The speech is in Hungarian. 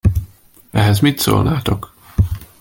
Ehhez mit szólnátok?